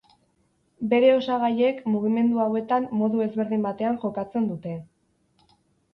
Bere osagaiek, mugimendu hauetan modu ezberdin batean jokatzen dute.